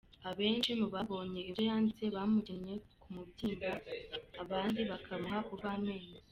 Abenshi mu babonye ibyo yanditse bamukinnye ku mubyimba abandi bakamuha urw’amenyo.